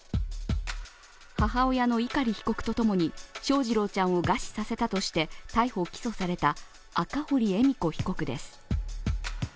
母親の碇被告とともに翔士郎ちゃんを餓死させたとして逮捕・起訴された赤堀恵美子被告です。